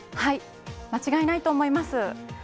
間違いないと思います。